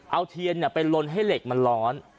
เอาเทียนไปลนให้เหล็กมันร้อน